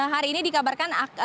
hari ini dikabarkan